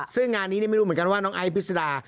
ซึ่งงานนี้ไม่รู้เหมือนกันว่าน้องไอซ์พิษดา